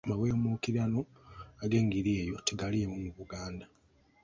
Amawemukirano ag’engeri eyo tegaalimu mu Buganda.